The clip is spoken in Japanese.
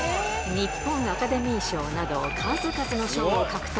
日本アカデミー賞など、数々の賞を獲得。